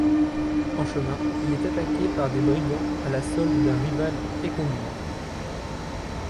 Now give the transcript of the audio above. En chemin, il est attaqué par des brigands à la solde d'un rival éconduit.